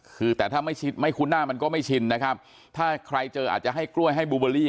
คือแต่ถ้าไม่ชินไม่คุ้นหน้ามันก็ไม่ชินนะครับถ้าใครเจออาจจะให้กล้วยให้บูเบอรี่